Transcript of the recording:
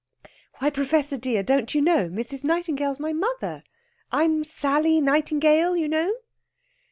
"Why, Professor dear, don't you know Mrs. Nightingale's my mother? I'm Sally Nightingale, you know!"